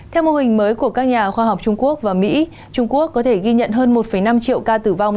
theo mô hình mới của các nhà khoa học trung quốc và mỹ trung quốc có thể ghi nhận hơn một năm triệu ca tử vong